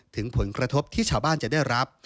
ถึงผลกระทบที่ชาวบ้านจะได้รับ